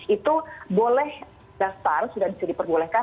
itu boleh daftar sudah diperbolehkan